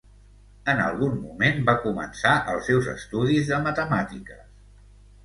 En algun moment va començar els seus estudis de matemàtiques.